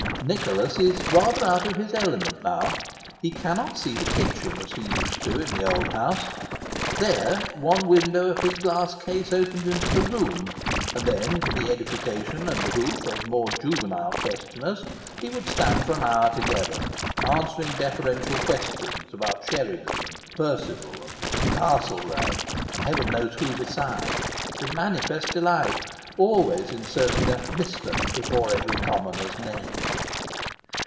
Nicholas is rather out of his element now ; he cannot see the kitchen as he used to in the old House ; there, one window of his glass case opened into the room, and then, for the edification and behoof of more juvenile questioners, he would stand for an hour together, answering deferential questions about Sheridan, and Percival, and Castlereagh, and Heaven knows who beside, with manifest delight, always inserting a " Mister " before every commoner's name.